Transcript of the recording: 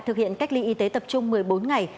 thực hiện cách ly y tế tập trung một mươi bốn ngày